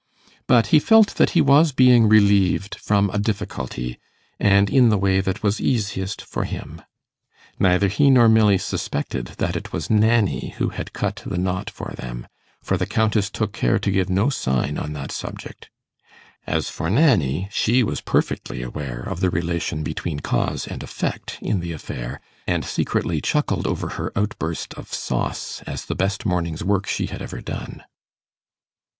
But he felt that he was being relieved from a difficulty, and in the way that was easiest for him. Neither he nor Milly suspected that it was Nanny who had cut the knot for them, for the Countess took care to give no sign on that subject. As for Nanny, she was perfectly aware of the relation between cause and effect in the affair, and secretly chuckled over her outburst of 'sauce' as the best morning's work she had ever done.